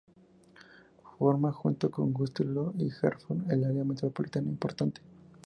Forma, junto con Gütersloh y Herford, un área metropolitana importante.